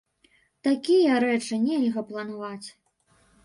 Такія рэчы нельга планаваць.